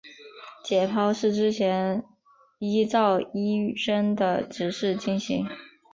解剖是之前依照医生的指示进行。